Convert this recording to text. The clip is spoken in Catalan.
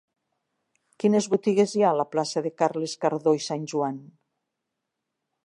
Quines botigues hi ha a la plaça de Carles Cardó i Sanjoan?